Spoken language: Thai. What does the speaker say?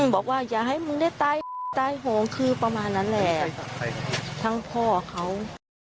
บอกว่าอย่าให้มึงได้ตายโหงคือประมาณนั้นแหละทั้งพ่อเขา